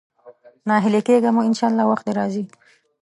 ناهيلی کېږه مه، ان شاءالله وخت دې راځي.